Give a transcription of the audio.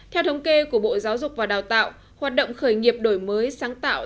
theo thống kê của bộ giáo dục và đào tạo hoạt động khởi nghiệp đổi mới sáng tạo